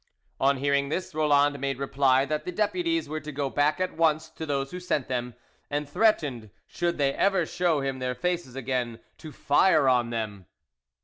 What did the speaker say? On hearing this, Roland made reply that the deputies were to go back at once to those who sent them, and threatened, should they ever show him their faces again, to fire on them.